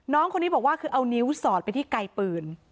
น้องคนนี้บอกว่าคือเอานิ้วสอดไปที่ไกลปืน